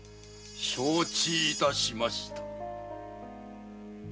承知致しました。